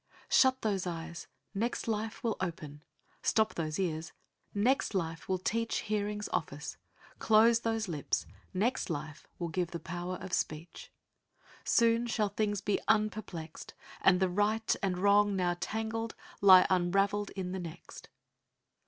Shut those eyes, next life will open ; Stop those ears, next life will teach Hearings office ; close those lips, next life will give the power of speech. ... Soon shall things be unperplexed And the right and wrong now tangled lie unraveled in the next."